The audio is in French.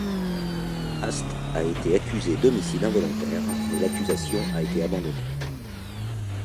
Haste a été accusé d'homicide involontaire, mais l'accusation a été abandonnée.